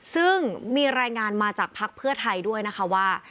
ซึ่งมีรายงานมาจากภักดิ์เพื่อไทยด้วยนะคะว่า